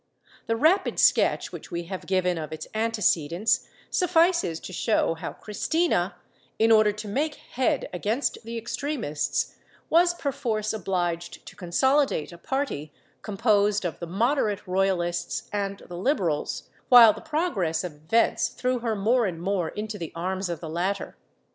The rapid sketch which we have given of its antecedents suffices to show how Cristina, in order to make head against the extremists, was perforce obliged to consolidate a party composed of the moderate Royalists and the Liberals, while the progress of events threw her more and more into the arms of the latter.